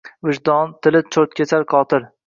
Vijdon tili choʼrtkesar, qotil